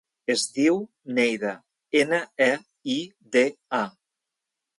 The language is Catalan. Es diu Neida: ena, e, i, de, a.